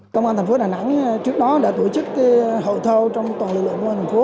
công an thành phố đà nẵng trước đó đã tổ chức hội thao trong toàn lực lượng công an thành phố